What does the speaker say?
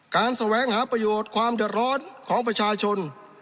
แสวงหาประโยชน์ความเดือดร้อนของประชาชน